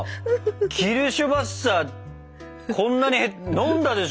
キルシュヴァッサーこんなに減って飲んだでしょ？